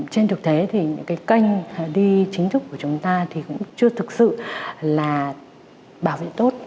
trên thực tế thì những cái kênh đi chính thức của chúng ta thì cũng chưa thực sự là bảo vệ tốt